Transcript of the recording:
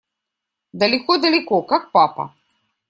Далеко-далеко, как папа.